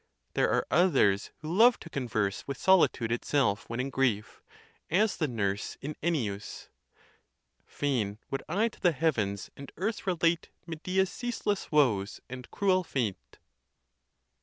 There are others who love to converse with solitude itself when in grief, as the nurse in Ennius, Fain would I to the heavens and earth relate Medea's ceaseless woes and cruel fate.?